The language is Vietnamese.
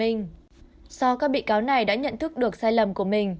do các bị cáo này đã nhận thức được sai lầm của mình